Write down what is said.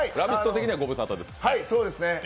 的にはご無沙汰ですね。